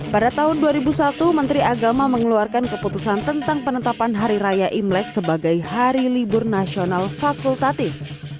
pada tahun dua ribu satu menteri agama mengeluarkan keputusan tentang penetapan hari raya imlek sebagai hari libur nasional fakultatif